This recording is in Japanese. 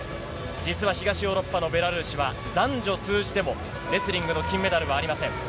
実は東ヨーロッパのベラルーシは、男女通じてもレスリングの金メダルはありません。